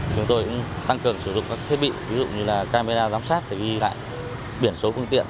chúng tôi cũng tăng cường sử dụng các thiết bị ví dụ như là camera giám sát để ghi lại biển số phương tiện